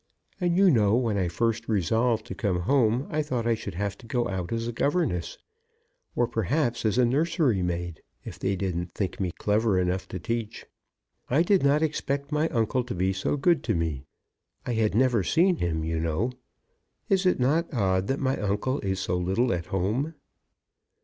And you know, when I first resolved to come home, I thought I should have to go out as a governess, or, perhaps, as a nursery maid, if they didn't think me clever enough to teach. I did not expect my uncle to be so good to me. I had never seen him, you know. Is it not odd that my uncle is so little at home?"